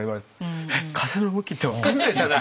「えっ？風の向き？」って分かんないじゃない。